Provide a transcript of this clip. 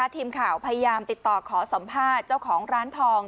ทีมข่าวพยายามติดต่อขอสัมภาษณ์เจ้าของร้านทอง